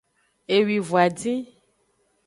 Ewivon adin.